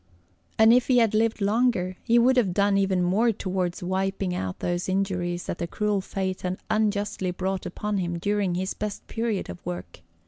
And if he had lived longer, he would have done even more towards wiping out those injuries that a cruel fate had unjustly brought upon him during his best period of work.